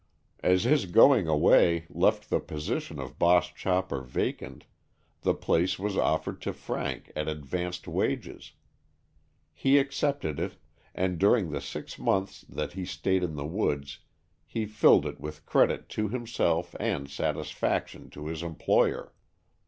As his going away left the position of "boss chopper" vacant the place was offered to Frank at advanced wages. He accepted it, and during the six months that he stayed in the woods he filled it with credit to himself and satis faction to his employer.